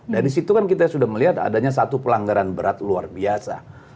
dari situ kan kita sudah melihat adanya satu pelanggaran berat luar biasa